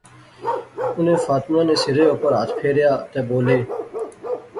انیں فاطمہ نے سرے اوپر ہتھ پھیریا تہ بولے